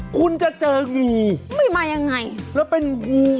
คุณจะเจองู